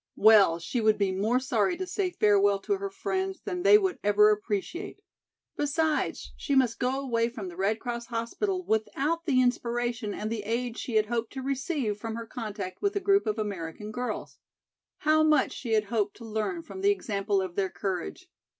Well, she would be more sorry to say farewell to her friends than they would ever appreciate. Besides, she must go away from the Red Cross hospital without the inspiration and the aid she had hoped to receive from her contact with a group of American girls. How much she had hoped to learn from the example of their courage.